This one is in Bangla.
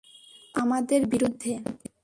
তুমি তো আমাদের বিরুদ্ধে।